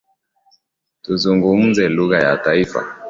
Tuzungumze lugha ya taifa